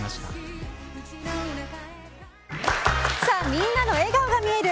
みんなの笑顔が見える！